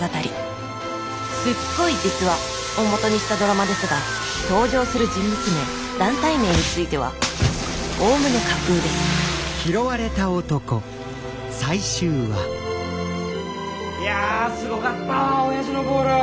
すっごい実話！をもとにしたドラマですが登場する人物名団体名についてはおおむね架空ですいやすごかったわおやじのボール。